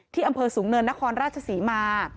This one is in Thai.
ที่อำเภอสูงเนินนครรภ์ราชสีมา